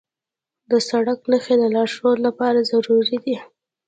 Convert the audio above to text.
د سړک نښې د لارښود لپاره ضروري دي.